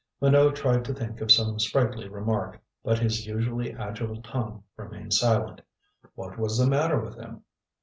Minot tried to think of some sprightly remark, but his usually agile tongue remained silent. What was the matter with him?